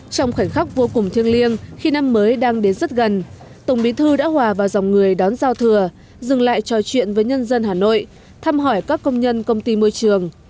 trong khoảnh khắc vô cùng thiêng liêng khi năm mới đang đến rất gần tổng bí thư đã hòa vào dòng người đón giao thừa dừng lại trò chuyện với nhân dân hà nội thăm hỏi các công nhân công ty môi trường